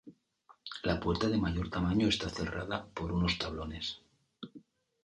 La puerta de mayor tamaño está cerrada por unos tablones.